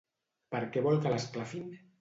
Per què vol que l'esclafin?